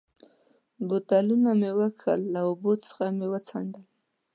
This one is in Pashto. بوټونه مې و کښل، له اوبو څخه مې و څنډل.